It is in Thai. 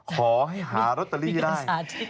ขอให้หารโรตตาลีได้